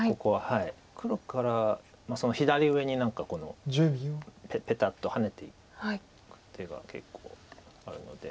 黒からその左上に何かペタッとハネていく手が結構あるので。